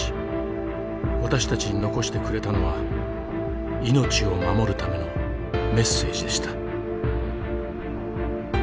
私たちに残してくれたのは命を守るためのメッセージでした。